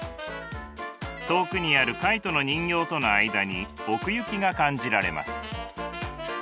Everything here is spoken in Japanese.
遠くにあるカイトの人形との間に奥行きが感じられます。